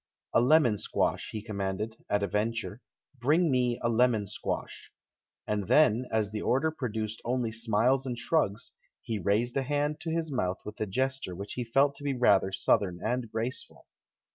"A lemon squash," he commanded, at a venture, "bring me a lemon squash!" And then, as the order produced only smiles and shrugs, he raised a hand to his mouth w ith a gesture which he felt to be rather Southern and graceful.